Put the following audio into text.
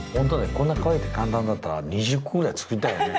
こんなかわいく簡単だったら２０個ぐらいつくりたいよね。